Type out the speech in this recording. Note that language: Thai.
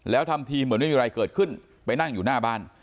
แล้วทำทีเหมือนไม่มีอะไรเกิดขึ้นไปนั่งอยู่หน้าบ้าน